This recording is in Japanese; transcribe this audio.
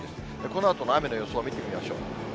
このあとの雨の予想を見てみましょう。